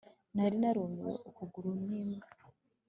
Nari narumwe ukuguru nimbwa